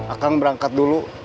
akang berangkat dulu